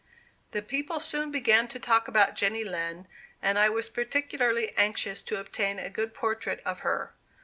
The people soon began to talk about Jenny Lind, and I was particularly anxious to obtain a good portrait of her.